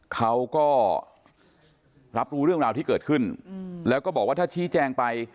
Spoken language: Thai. เขาก็รับรู้เรื่องราวที่เกิดขึ้นแล้วก็บอกว่าถ้าชี้แจงไป